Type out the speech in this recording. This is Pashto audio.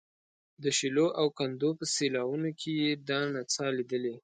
د شیلو او کندو په سیلاوونو کې یې دا نڅا لیدلې.